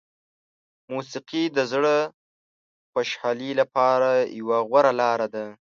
موسیقي د زړه خوشحالي لپاره یوه غوره لاره ده.